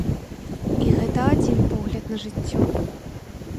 І гэта адзін погляд на жыццё.